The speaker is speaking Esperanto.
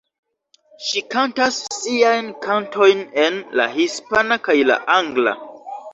Ŝi kantas siajn kantojn en la hispana kaj la angla.